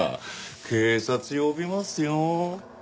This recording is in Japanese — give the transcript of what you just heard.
警察呼びますよ？